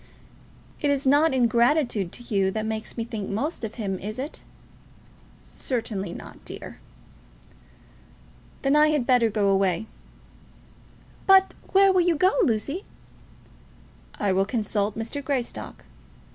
"It is not ingratitude to you that makes me think most of him; is it?" "Certainly not, dear." "Then I had better go away." "But where will you go, Lucy?" "I will consult Mr. Greystock."